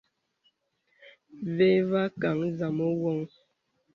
Vè và kàŋə zàmā woŋ.